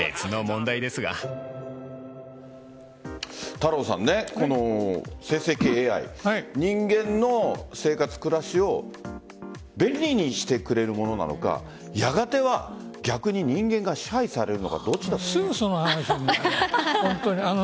太郎さん、この生成系ＡＩ人間の生活、暮らしを便利にしてくれるものなのかやがては逆に人間が支配されるのかすぐその話になる。